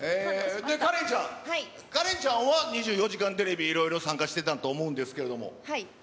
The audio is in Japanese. カレンちゃん、カレンちゃんは２４時間テレビ、いろいろ参加してたと思うんですけども。